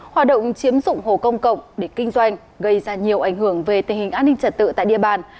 hoạt động chiếm dụng hồ công cộng để kinh doanh gây ra nhiều ảnh hưởng về tình hình an ninh trật tự tại địa bàn